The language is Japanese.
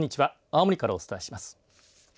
青森からお伝えします。